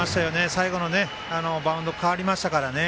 最後のバウンド変わりましたから。